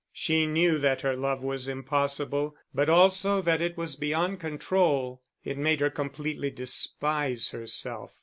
She knew that her love was impossible, but also that it was beyond control. It made her completely despise herself.